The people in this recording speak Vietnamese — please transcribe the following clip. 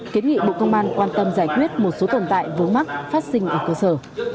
kiến nghị bộ công an quan tâm giải quyết một số tồn tại vướng mắc phát sinh ở cơ sở